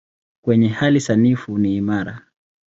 Kwenye hali sanifu ni imara.